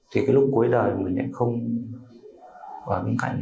thì cái lúc cuối đời mình lại không vào bên cạnh